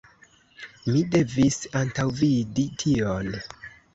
Mi devis antaŭvidi tion.